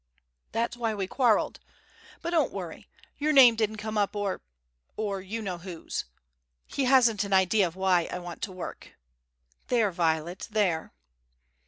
That's why we quarreled. But don't worry. Your name didn't come up, or or you know whose. He hasn't an idea of why I want to work There, Violet there!"